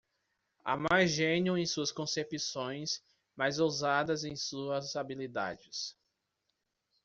Há mais gênio em suas concepções, mais ousadas em suas habilidades.